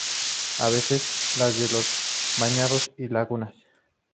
Aves: las de los bañados y lagunas.